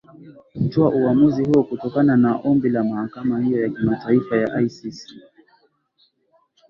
toa uamuzi huo kutokana na ombi la mahakama hiyo ya kimataifa ya icc